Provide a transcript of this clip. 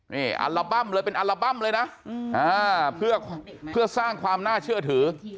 นี่อัลบั้มเลยเป็นอัลบั้มเลยนะเพื่อสร้างความน่าเชื่อถือ